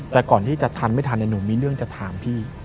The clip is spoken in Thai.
แต่ก่อนที่จะทันไม่ทันหนูมีเรื่องจะถามพี่